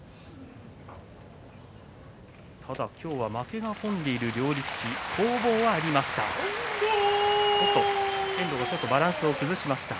今日は負けが込んでいる両力士攻防はありました。